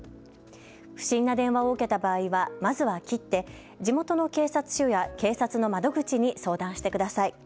不審な電話を受けた場合はまずは切って、地元の警察署や警察の窓口に相談してください。